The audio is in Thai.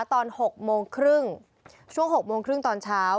ตอน๖โมงครึ่งช่วง๖โมงครึ่งตอนเช้า